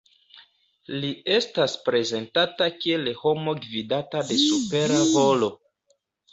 Li estas prezentata kiel homo gvidata de supera volo.